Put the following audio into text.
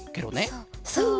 そうそう。